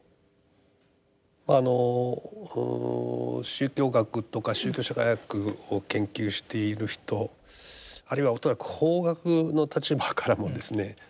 あの宗教学とか宗教社会学を研究している人あるいは恐らく法学の立場からもですね